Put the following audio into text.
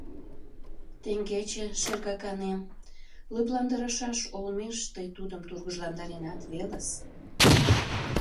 — Теҥгече, шергаканем, лыпландарышаш олмеш тый тудым тургыжландаренат велыс.